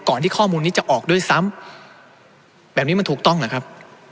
ที่ข้อมูลนี้จะออกด้วยซ้ำแบบนี้มันถูกต้องเหรอครับ